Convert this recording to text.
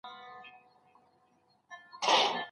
که پښتو قوي وي، نو هویت به محفوظه وي.